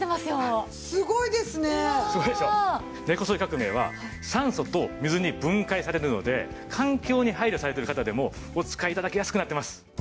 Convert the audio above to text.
根こそぎ革命は酸素と水に分解されるので環境に配慮されてる方でもお使い頂きやすくなってます。